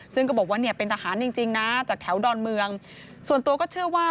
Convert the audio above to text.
ซึ่งก็บอกว่าเนี่ยเป็นทหารจริงจริงนะจากแถวดอนเมืองส่วนตัวก็เชื่อว่า